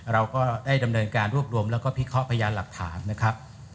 เราก็ได้ดำเนินการรวบรวมแล้วก็พิเคราะห์พยานหลักฐานนะครับ